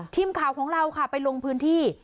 ทีมข่าวของเราค่ะไปลงพื้นที่